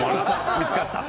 見つかった。